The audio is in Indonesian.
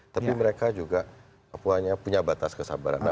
tapi mereka juga punya batas kesabaran